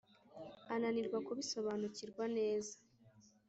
ananirwa kubisobanukirwa neza,